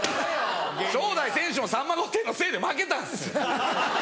正代選手も『さんま御殿‼』のせいで負けたんですよ。